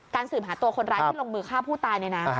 สืบหาตัวคนร้ายที่ลงมือฆ่าผู้ตายเนี่ยนะ